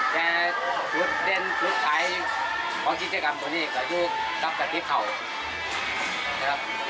คุณขายของกิจกรรมบนนี้ก็ยุคกับกระติบขาว